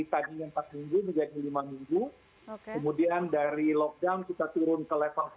tadinya empat minggu menjadi lima minggu kemudian dari lockdown kita turun ke level tiga